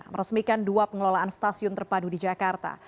meresmikan dua pengelolaan stasiun terpadu di jakarta